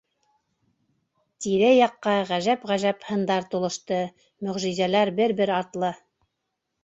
Тирә-яҡҡа ғәжәп-ғәжәп Һындар тулышты, Мөғжизәләр бер-бер артлы